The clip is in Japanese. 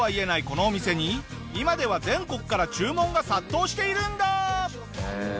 このお店に今では全国から注文が殺到しているんだ！